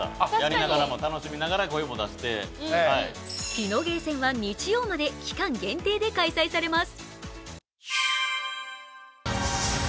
ピノゲーセンは日曜まで期間限定で開催されます。